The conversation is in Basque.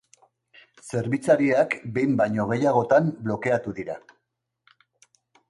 Zerbitzariak behin baino gehiagotan blokeatu dira.